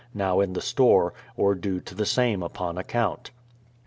now in the store, or due to the same upon account.